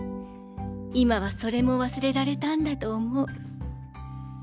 今はそれも忘れられたんだと思う。